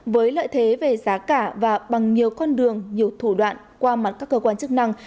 với lợi thế về giá cả và bằng nhiều con đường nhiều thủ đoạn qua mặt các cơ quan chức năng